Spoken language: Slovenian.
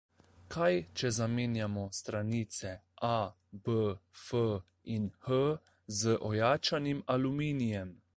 Kaj, če zamenjamo stranice A, B, F in H z ojačanim aluminijem?